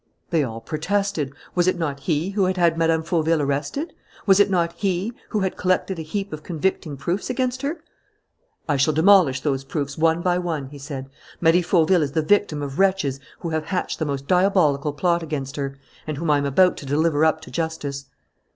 They all protested: was it not he who had had Mme. Fauville arrested? Was it not he who had collected a heap of convicting proofs against her? "I shall demolish those proofs one by one," he said. "Marie Fauville is the victim of wretches who have hatched the most diabolical plot against her, and whom I am about to deliver up to justice."